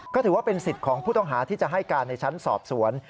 ก็ถือว่าเป็นสิทธิ์ของผู้ต้องหาที่จะให้การในชั้นสอบสวน